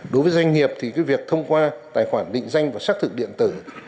đối với doanh nghiệp thì việc thông qua tài khoản định danh và xác thực điện tử